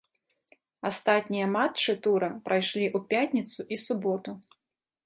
Астатнія матчы тура прайшлі ў пятніцу і суботу.